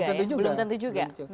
belum tentu juga